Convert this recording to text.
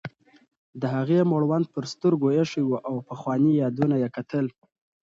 د هغې مړوند پر سترګو ایښی و او پخواني یادونه یې کتل.